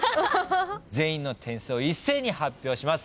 全員の点数を一斉に発表します。